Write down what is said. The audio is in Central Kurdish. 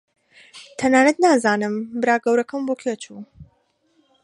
تەنانەت نازانم برا گەورەکەم بۆ کوێ چوو.